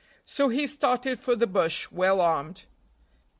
So he started for the bush, well armed.